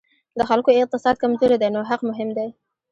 د خلکو اقتصاد کمزوری دی نو حق مهم دی.